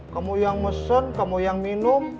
kamu yang mesen kamu yang minum